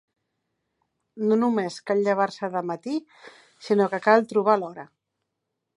No només cal llevar-se de matí, sinó que cal trobar l'hora.